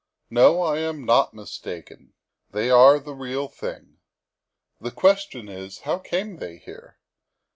No, I am not mistaken. They are the real thing. The question is, how came they here?